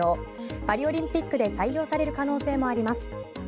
パリオリンピックで採用される可能性もあります。